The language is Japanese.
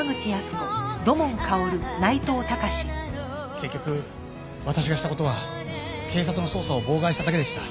結局私がした事は警察の捜査を妨害しただけでした。